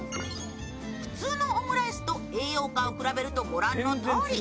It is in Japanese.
普通のオムライスと栄養価を比べると御覧のとおり。